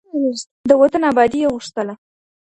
د وطن ابادي یې غوښتله.